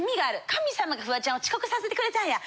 神様がフワちゃんを遅刻させてくれたんや。